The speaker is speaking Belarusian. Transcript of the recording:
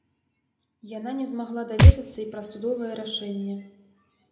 Яна не змагла даведацца і пра судовае рашэнне.